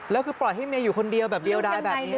แล้วคือปล่อยให้เมียอยู่คนเดียวแบบเดียวได้แบบนี้